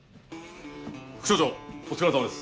副署長お疲れさまです。